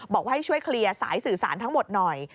บอกว่าให้ช่วยเคลียร์สายสื่อสารทั้งหมดหน่อย